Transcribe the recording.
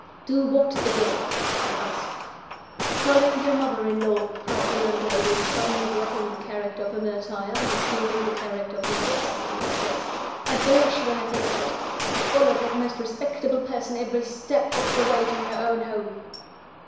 "Do what again?" I asked. "Follow your mother in law," cried the landlady, suddenly dropping the character of a martyr, and assuming the character of a vixen in its place. "I blush when I think of it. I followed that most respectable person every step of the way to her own door."